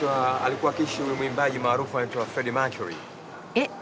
えっ！？